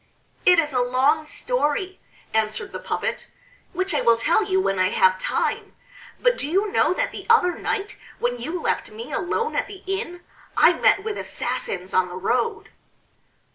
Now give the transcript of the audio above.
"It is a long story," answered the puppet, "which I will tell you when I have time. But do you know that the other night, when you left me alone at the inn, I met with assassins on the road."